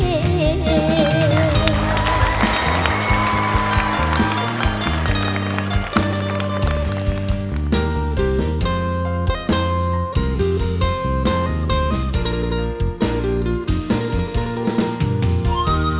ที่ยังคิดถอดอายละ